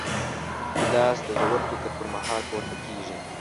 ګیلاس د ژور فکر پر مهال پورته کېږي.